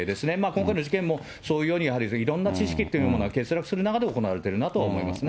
今回の事件も、そういうようにやっぱりいろんな知識が欠落する中で行われているなとは思いますね。